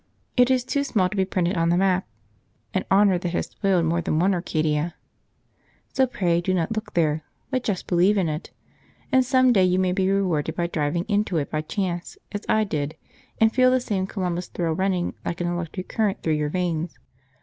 It is too small to be printed on the map (an honour that has spoiled more than one Arcadia), so pray do not look there, but just believe in it, and some day you may be rewarded by driving into it by chance, as I did, and feel the same Columbus thrill running, like an electric current, through your veins.